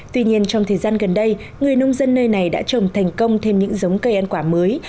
tuy nhiên trong thời gian gần đây người nông dân nơi này đã trồng thành công thêm những giống cây ăn quả mới